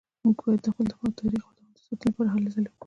موږ باید د خپل تاریخ او تمدن د ساتنې لپاره هلې ځلې وکړو